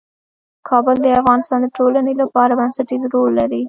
کابل د افغانستان د ټولنې لپاره بنسټيز رول لري.